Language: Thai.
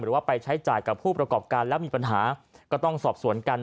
ว่าไปใช้จ่ายกับผู้ประกอบการแล้วมีปัญหาก็ต้องสอบสวนกัน